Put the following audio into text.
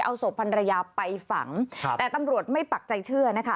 เอาศพพันรยาไปฝังครับแต่ตำรวจไม่ปักใจเชื่อนะคะ